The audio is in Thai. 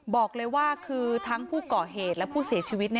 บอกเลยว่าคือทั้งผู้ก่อเหตุและผู้เสียชีวิต